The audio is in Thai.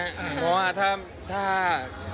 เพราะว่าถ้า